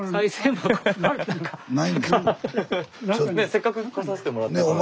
せっかく来させてもらったから。